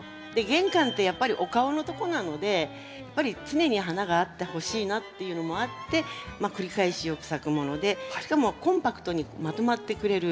玄関ってやっぱりお顔のとこなのでやっぱり常に花があってほしいなっていうのもあって繰り返しよく咲くものでしかもコンパクトにまとまってくれる。